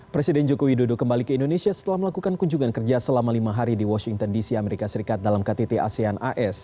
presiden joko widodo kembali ke indonesia setelah melakukan kunjungan kerja selama lima hari di washington dc amerika serikat dalam ktt asean as